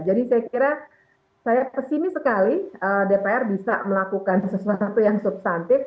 jadi saya kira saya pesimis sekali dpr bisa melakukan sesuatu yang subsantif